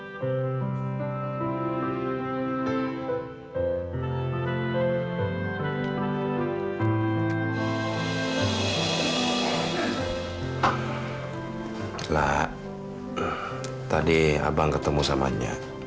nelah tadi abang ketemu sama nya